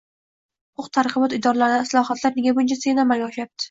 huquq-tartibot idoralarida islohotlar nega buncha sekin amalga oshyapti?